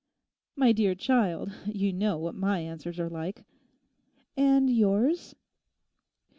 'My dear child, you know what my answers are like!' 'And yours?